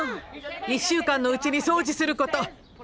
１週間のうちに掃除すること。